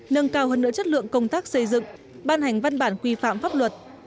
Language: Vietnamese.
nâng cao hơn nữa chất lượng công tác xây dựng ban hành văn bản quy phạm pháp luật